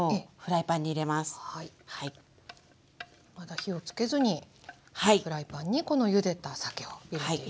まだ火をつけずにフライパンにこのゆでたさけを入れていくと。